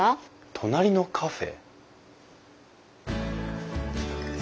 隣のカフェ？